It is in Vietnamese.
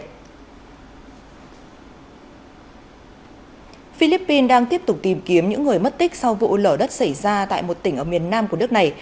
philippines đang tiếp tục tìm kiếm những người mất tích sau vụ lở đất xảy ra tại một tỉnh ở miền nam của nước này